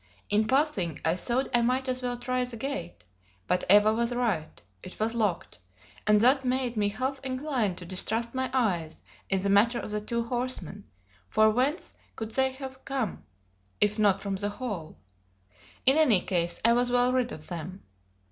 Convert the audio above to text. In passing I thought I might as well try the gate; but Eva was right; it was locked; and that made me half inclined to distrust my eyes in the matter of the two horsemen, for whence could they have come, if not from the hall? In any case I was well rid of them.